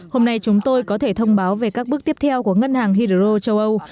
hôm nay chúng tôi có thể thông báo về các bước tiếp theo của ngân hàng hydro châu âu